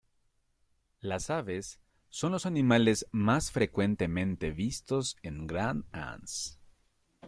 Las aves son los animales más frecuentemente vistos en Grand´ Anse.